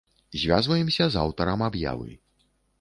Звязваемся з аўтарам аб'явы.